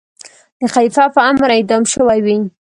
د خلیفه په امر اعدام شوی وي.